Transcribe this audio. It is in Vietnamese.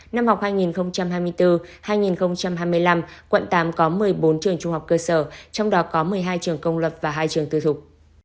năm học hai nghìn hai mươi bốn hai nghìn hai mươi năm quận tám có một mươi bốn trường trung học cơ sở trong đó có một mươi hai trường công lập và hai trường tư thục